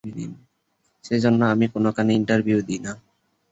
সে জন্য আমি কোনোখানে ইন্টারভিউ দিই না।